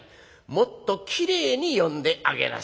もっときれいに呼んであげなさい。